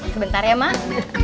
sebentar ya mak